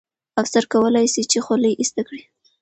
افسر کولای سي چې خولۍ ایسته کړي.